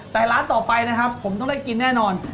แต่ร้านต่อไปนะครับผมต้องได้กินแน่นอน